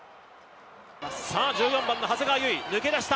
１４番の長谷川唯、抜け出した！